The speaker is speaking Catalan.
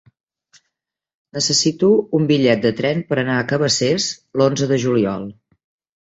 Necessito un bitllet de tren per anar a Cabacés l'onze de juliol.